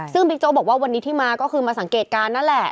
ซึ่งบิ๊กโจ๊กบอกว่าวันนี้ที่มาก็คือมาสังเกตการณ์นั่นแหละ